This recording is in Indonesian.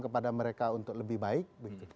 kepada mereka untuk lebih baik